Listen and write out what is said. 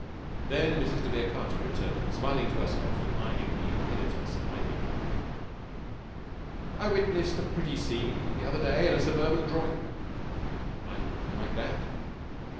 Then Mrs. de Vere Carter returned smiling to herself and eyeing the young editor surmisingly. "I witnessed a pretty scene the other day in a suburban drawing room...." It might begin like that.